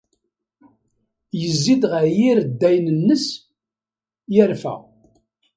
Yezzi-d ɣer yireddayen-nnes, yerfa.